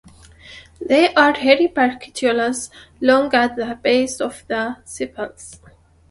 There are hairy bracteoles long at the base of the sepals.